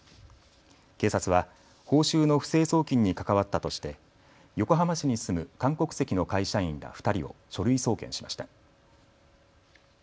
警察は報酬の不正送金に関わったとして横浜市に住む韓国籍の会社員ら２人を書類送検しました。